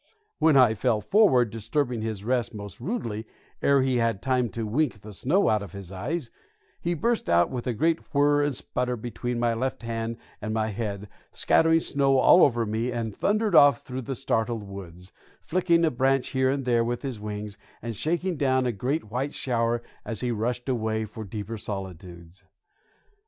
When I fell forward, disturbing his rest most rudely ere he had time to wink the snow out of his eyes, he burst out with a great whirr and sputter between my left hand and my head, scattering snow all over me, and thundered off through the startled woods, flicking a branch here and there with his wings, and shaking down a great white shower as he rushed away for deeper solitudes.